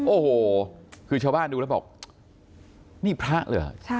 โอ้โหคือชาวบ้านดูแล้วบอกนี่พระเหรอ